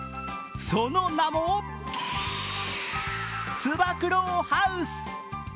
その名も、つば九郎ハウ巣。